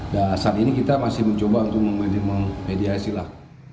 dan saat ini kita masih mencoba untuk membedai silah